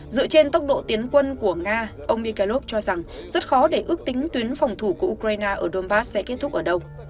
dựa trên tốc độ tiến quân của nga ông mikalov cho rằng rất khó để ước tính tuyến phòng thủ của ukraine ở donbass sẽ kết thúc ở đâu